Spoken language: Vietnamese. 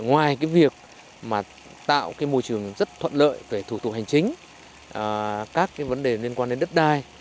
ngoài việc tạo môi trường rất thuận lợi về thủ tục hành chính các vấn đề liên quan đến đất đai